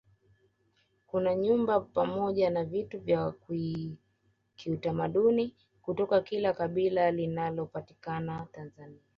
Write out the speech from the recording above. kuna nyumba pamoja na vitu vya kiutamaduni kutoka kila kabila linalopatikana tanzania